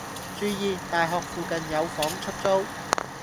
注意！大學附近有房出租